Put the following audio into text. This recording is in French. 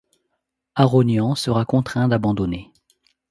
Aronian sera contraint d'abandonner.